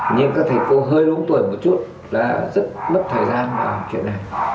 nhưng các thầy cô hơi đúng tuổi một chút là rất mất thời gian vào chuyện này